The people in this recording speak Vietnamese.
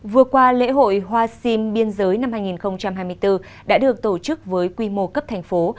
vừa qua lễ hội hoa sim biên giới năm hai nghìn hai mươi bốn đã được tổ chức với quy mô cấp thành phố